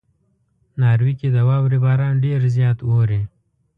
ناروې کې د واورې باران ډېر زیات اوري.